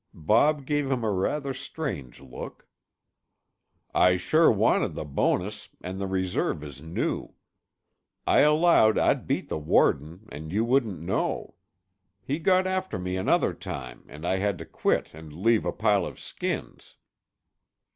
Bob gave him a rather strange look. "I sure wanted the bonus and the reserve is new. I allowed I'd beat the warden and you wouldn't know. He got after me another time and I had to quit and leave a pile of skins."